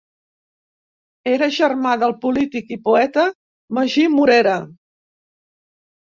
Era germà del polític i poeta Magí Morera.